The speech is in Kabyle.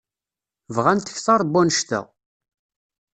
Bɣant kter n wannect-a.